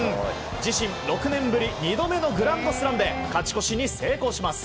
自身６年ぶり２度目のグランドスラムで勝ち越しに成功します。